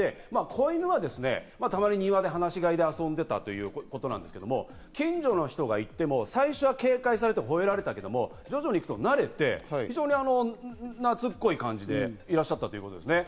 子犬はたまに庭で放し飼いで遊んでいたということなんですけど、近所の人が行っても最初は警戒されて吠えられたけど、徐々に行くと慣れて人懐っこい感じでいらっしゃったということです。